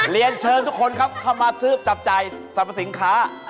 เรียนเชิญทุกคนครับเข้ามาทืบจับจ่ายสรรพสินค้า